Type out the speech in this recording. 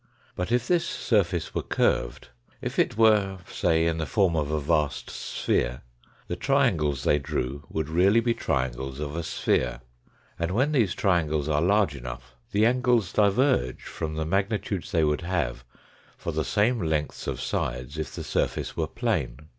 But if this surface were curved if it were, say, in the form of a vast sphere the triangles they drew would really be triangles of a sphere, and when these triangles are large enough the angles diverge from the magnitudes they would have for the same lengths of sides if the surface were plane.